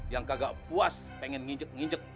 yang kagak puas pengen nginjek